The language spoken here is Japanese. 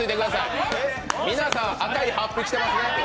皆さん、赤いはっぴ、着てますね